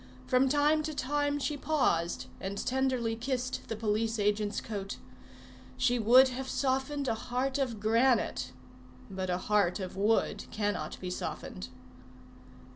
From time to time she paused, and tenderly kissed the police agent's coat. She would have softened a heart of granite; but a heart of wood cannot be softened.